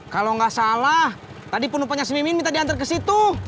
kalau gak salah tadi penumpangnya si mimin minta diantar kesitu